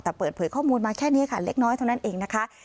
แต่เปิดเผยข้อมูลมาแค่นี้ค่ะเล็กน้อยเท่านั้นเองนะคะ